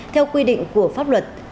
theo quy định của pháp luật